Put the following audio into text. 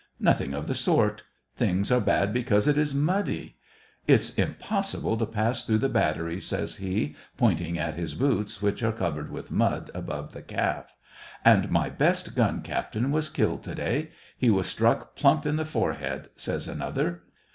Nothing of the sort ! things are bad be cause it is muddy. " It's impossible to pass through the battery," says he, pointing at his boots, which are covered with mud above the calf. "And my best gun captain was killed to day ; he was struck plump in the forehead," says another.